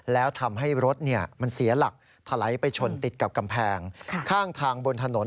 แล้วทำให้รถเนี่ยมันเสียหลักทะเล้ยไปชนติดกับกำแพงค่ะข้างข่างบนถนน